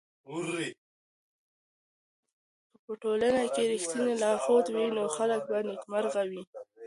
که په ټولنه کي رښتينی لارښود وي نو خلګ به نېکمرغه وي.